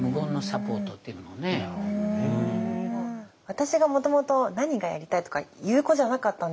私がもともと何がやりたいとか言う子じゃなかったんですよね。